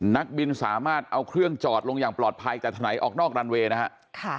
นักบินสามารถเอาเครื่องจอดลงอย่างปลอดภัยแต่ถลายออกนอกรันเวย์นะฮะ